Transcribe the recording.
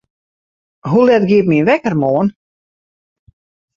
Hoe let giet myn wekker moarn?